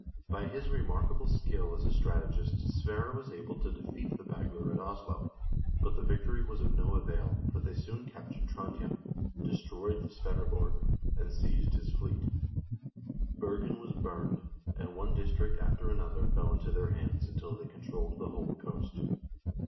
By his remark able skill as a strategist Sverre was able to defeat the Bagler at Oslo, but the victory was of no avail, for they soon captured Trondhjem, 398 HISTORY OF THE NORWEGIAN PEOPLE destroyed the Sverreborg, and seized his fleet. Bergen was burned, and one district after another fell into their hands until they controlled the whole coast.